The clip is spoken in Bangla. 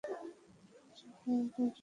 তার গল্পের শ্রোতা দু’জন।